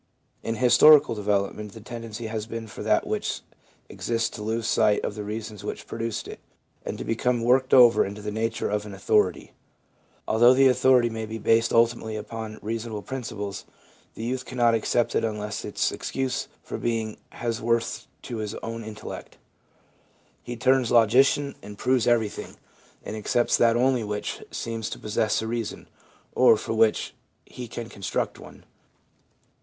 In historical development the tendency has been for that which exists to lose sight of the reasons which produced it, and to become worked over into the nature of an authority. Although the authority may be based ultimately upon reasonable principles, the youth cannot accept it unless its excuse for being has worth to his own intellect. He turns logician and 232 ADOLESCENCE— DOUBT 233 proves everything, and accepts that only which seems to possess a reason, or for which he can construct one.